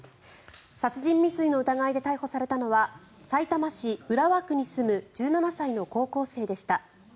殺人未遂の疑いで逮捕されたのはさいたま市浦和区に住む１７歳の高校生でした。